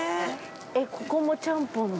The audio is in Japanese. ◆えっ、ここもちゃんぽんだ。